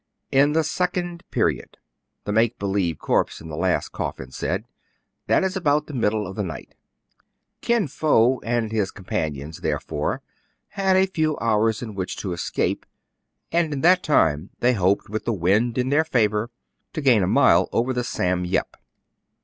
" In the second period, the make believe corpse in the last coffin said ; that is, about the middle of the night. Kin Fo and his companions, therefore, had a few hours in which to escape ; and in that time they hoped, with the wind in their favor, to gain a mile over the " Sam Yep."